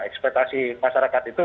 ekspetasi masyarakat itu